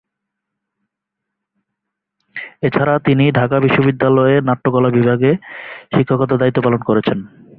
এছাড়া তিনি ঢাকা বিশ্ববিদ্যালয়ে নাট্যকলা বিভাগে শিক্ষকতার দায়িত্ব পালন করছেন।